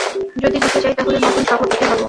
যদি জিতে যাই তাহলে নতুন সভাপতি হবো।